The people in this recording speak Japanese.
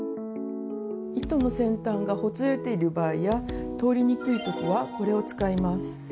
糸の先端がほつれている場合や通りにくい時はこれを使います。